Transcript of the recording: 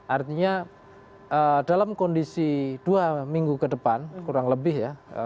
artinya dalam kondisi dua minggu ke depan kurang lebih ya